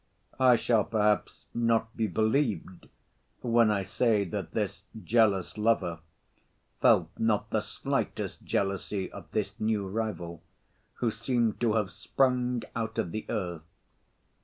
I shall perhaps not be believed when I say that this jealous lover felt not the slightest jealousy of this new rival, who seemed to have sprung out of the earth.